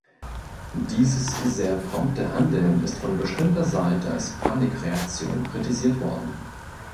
Dieses sehr prompte Handeln ist von bestimmter Seite als Panikreaktion kritisiert worden.